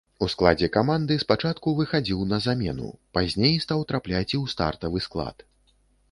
У складзе каманды спачатку выхадзіў на замену, пазней стаў трапляць і ў стартавы склад.